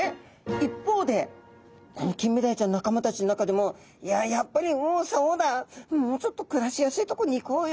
一方でこのキンメダイちゃんの仲間たちの中でもいややっぱり右往左往だもうちょっと暮らしやすいとこに行こうよって。